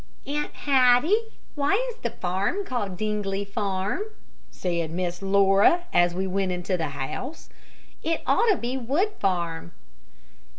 "Aunt Hattie, why is the farm called Dingley Farm?" said Miss Laura, as we went into the house. "It ought to be Wood Farm."